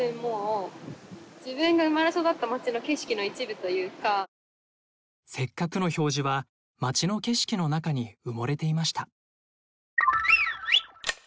よくよく考えたらせっかくの表示は街の景色の中に埋もれていました。